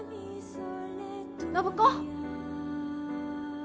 暢子！